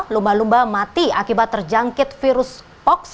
lumba lumba mati akibat terjangkit virus fox